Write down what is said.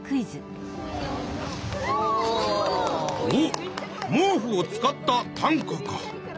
おっ毛布を使った担架か！